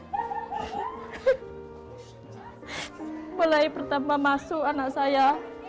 mulai pertama masuk anak saya